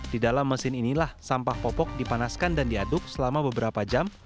di dalam mesin inilah sampah popok dipanaskan dan diaduk selama beberapa jam